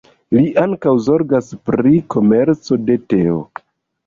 Li ankaŭ zorgas pri komerco de teo.